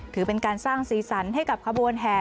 ถือเป็นการสร้างสีสันให้กับขบวนแห่